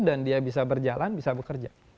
dan dia bisa berjalan bisa bekerja